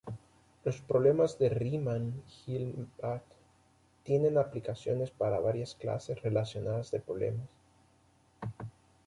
Los problemas de Riemann–Hilbert tienen aplicaciones para varias clases relacionadas de problemas.